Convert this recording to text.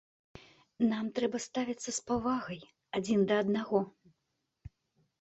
Нам трэба ставіцца з павагай адзін да аднаго.